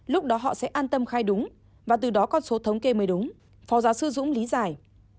lúc đó họ sẽ an tâm khai đúng và từ đó con số thống kê mới đúng phó giáo sư dũng lý giải